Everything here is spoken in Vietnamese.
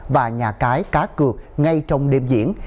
và nhà cái cá cược ngay trong đêm diễn